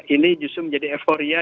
ini justru menjadi euphoria